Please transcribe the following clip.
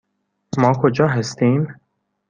ما کجا هستیم؟